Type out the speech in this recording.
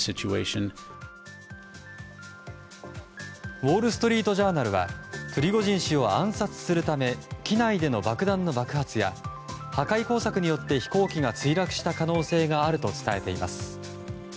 ウォール・ストリート・ジャーナルはプリゴジン氏を暗殺するため機内での爆弾の爆発や破壊工作によって飛行機が墜落した可能性があると伝えています。